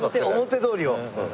表通りを。